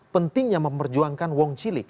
pentingnya memperjuangkan wong cilik